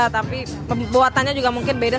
tapi pembuatannya juga mungkin beda